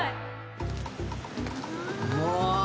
うわ。